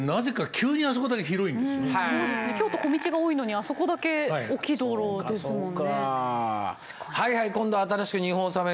京都小道が多いのにあそこだけ大きい道路ですもんね。